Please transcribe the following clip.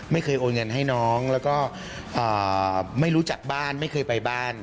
โอนเงินให้น้องแล้วก็ไม่รู้จักบ้านไม่เคยไปบ้าน